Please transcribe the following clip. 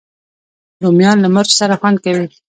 رومیان له مرچو سره خوند کوي